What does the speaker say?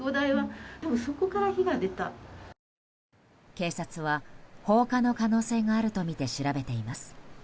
警察は放火の可能性があるとみて調べています。